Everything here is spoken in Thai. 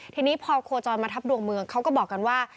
ทีนี้พอโคจรมาทับดวงเมืองเขาก็บอกกันว่า